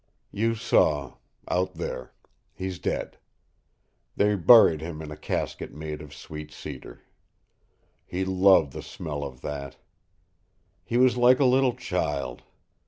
"You saw out there. He's dead. They buried him in a casket made of sweet cedar. He loved the smell of that. He was like a little child.